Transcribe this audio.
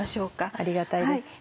ありがたいです。